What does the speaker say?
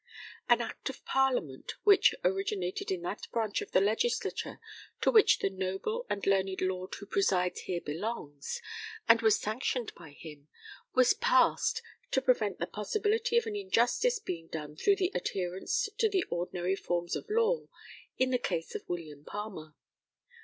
An act of Parliament, which originated in that branch of the Legislature to which the noble and learned lord who presides here belongs, and was sanctioned by him, was passed to prevent the possibility of an injustice being done through an adherence to the ordinary forms of law in the case of William Palmer.